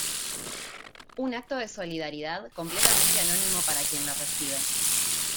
Un acto de solidaridad completamente anónimo para quien lo recibe.